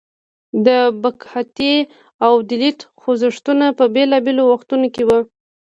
د بکهتي او دلیت خوځښتونه په بیلابیلو وختونو کې وو.